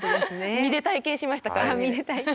身で体験しましたから身で。